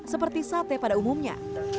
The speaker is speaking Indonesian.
seperti sate pada umumnya